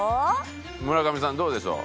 村上さんどうでしょう？